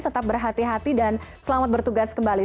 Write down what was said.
tetap berhati hati dan selamat bertugas kembali